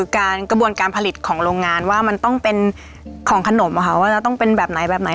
การกระบวนการผลิตของโรงงานว่ามันต้องเป็นของขนมว่าจะต้องเป็นแบบไหนแบบไหน